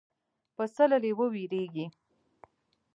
پسه له لېوه وېرېږي.